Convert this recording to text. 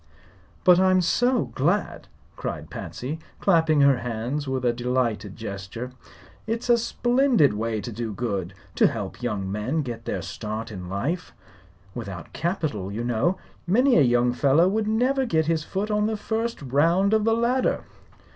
"But I'm so glad!" cried Patsy, clapping her hands with a delighted gesture. "It's a splendid way to do good to help young men to get a start in life. Without capital, you know, many a young fellow would never get his foot on the first round of the ladder."